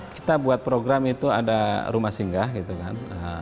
kita buat program itu ada rumah singgah gitu kan